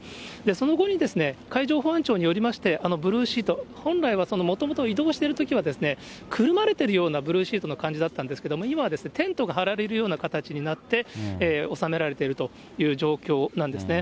その後に、海上保安庁によりまして、あのブルーシート、本来はもともと移動してるときはくるまれているようなブルーシートの感じだったんですけれども、今はテントが張られるような形になって、収められているという状況なんですね。